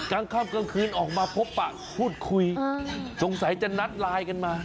กลางค่ำกลางคืนออกมาพบปะพูดคุยสงสัยจะนัดไลน์กันมา